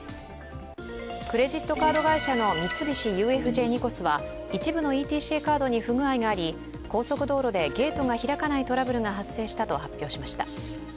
クレジットカード会社の三菱ＵＦＪニコスは一部のＥＴＣカードに不具合があり高速道路でゲートが開かないトラブルが発生したと発表しました。